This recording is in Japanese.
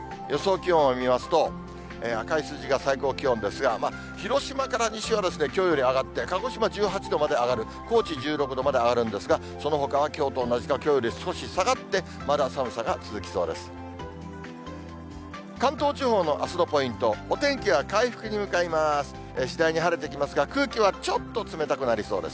気温を見ますと、赤い数字が最高気温ですが、広島から西はきょうより上がって、鹿児島１８度まで上がる、高知１６度まで上がるんですが、そのほかはきょうと同じか、きょうより少し下がって、まだ寒さが続きそうです。